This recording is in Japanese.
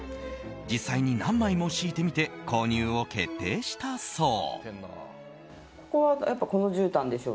実際に何枚も敷いてみて購入を決定したそう。